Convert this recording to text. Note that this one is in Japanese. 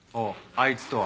あいつとは？